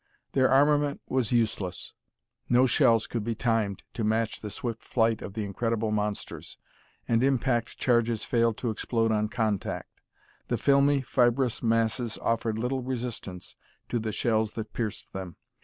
Their armament was useless. No shells could be timed to match the swift flight of the incredible monsters, and impact charges failed to explode on contact; the filmy, fibrous masses offered little resistance to the shells that pierced them.